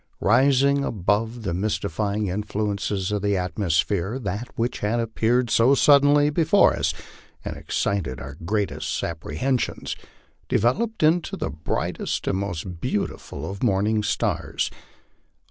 Rising above the mystify ing influences of the atmosphere, that which had appeared so suddenly before us, and excited our greatest apprehensions, developed into the brightest and most beautiful of morning stars.